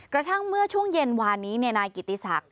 กระทั่งเมื่อช่วงเย็นวานนี้นายกิติศักดิ